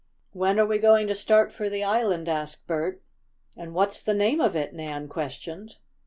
"When are we going to start for the island?" asked Bert. "And what's the name of it?" Nan questioned.